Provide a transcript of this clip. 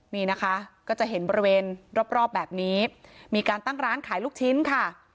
นี่นะคะก็จะเห็นบริเวณรอบรอบแบบนี้มีการตั้งร้านขายลูกชิ้นค่ะ